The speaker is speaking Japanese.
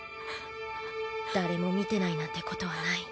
誰も見てないなんてことはない。